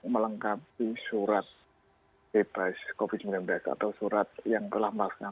melengkapi surat bebas covid sembilan belas atau surat yang telah melaksanakan